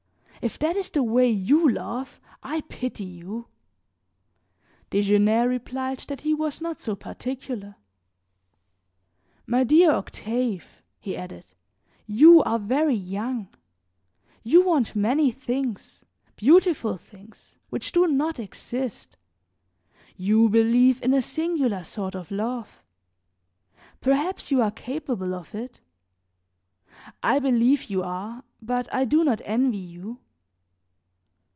If that is the way you love, I pity you." Desgenais replied that he was not so particular. "My dear Octave," he added, "you are very young. You want many things, beautiful things, which do not exist. You believe in a singular sort of love; perhaps you are capable of it; I believe you are, but I do not envy you.